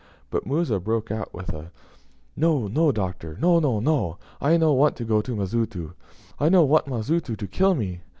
But Musa broke out with "No, no, Doctor; no, no, no; I no want to go to Mazitu. I no want Mazitu to kill me.